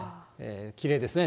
きれいですね。